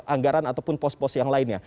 anggaran ataupun pos pos yang lainnya